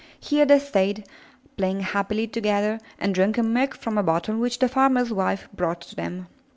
Here they stayed, playing happily together, and drinking milk from a bottle which the farmer's wife brought to them.